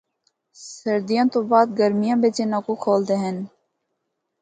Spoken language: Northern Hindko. سردیوں تو بعد گرمیاں بچ اِناں کو کھولدے ہن۔